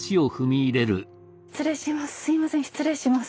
失礼します。